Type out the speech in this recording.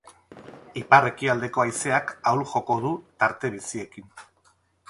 Ipar-ekialdeko haizeak ahul joko du, tarte biziekin.